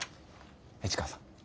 市川さん。